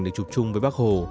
được chụp chung với bác hồ